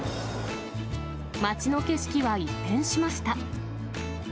街の景色は一変しました。